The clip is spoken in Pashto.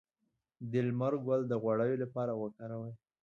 د لمر ګل د غوړیو لپاره وکاروئ